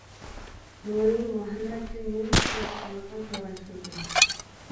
نۇرى مۇھەممەتتىن نېمە ئىش قىلىۋاتقانلىقىنى سوراشتۇردى.